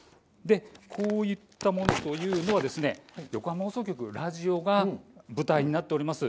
こういったものというのは横浜放送局ラジオが舞台になっております。